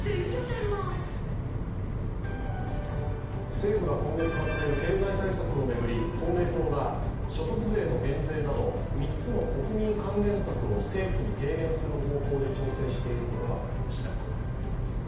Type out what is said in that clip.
政府が今月まとめる経済対策で公明党が所得税の減税など３つの国民還元策を政府に提言する方向で調整していることが分かりました。